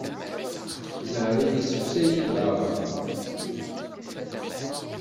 Zzheṛ-ik isefsay idɣaɣen.